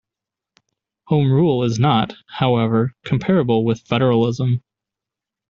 Home rule is not, however, comparable with federalism.